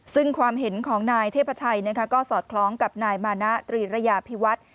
ซึ่งความเห็นของนายเทพชัยก็สอดคล้องกับนายมานะตรีระยาพิวัฒน์